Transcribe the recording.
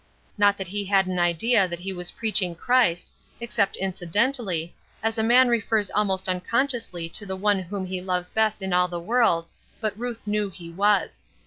Not that he had an idea that he was preaching Christ, except incidentally, as a man refers almost unconsciously to the one whom he loves best in all the world but Ruth knew he was.